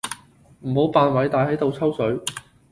唔好扮偉大喺度抽水